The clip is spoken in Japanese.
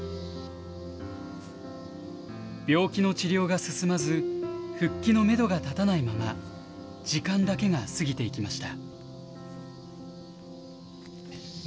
病気の治療が進まず、復帰のメドが立たないまま、時間だけが過ぎていきました。